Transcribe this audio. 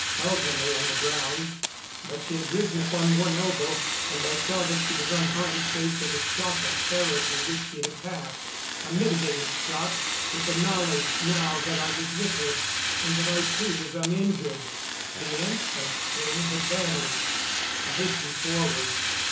Elza lay on the ground; but she had risen upon one elbow and I saw that she was unharmed save for the shock of terror through which she had passed a mitigated shock with the knowledge now that I was with her, and that I too was uninjured. The infant thing had vanished. I hastened forward.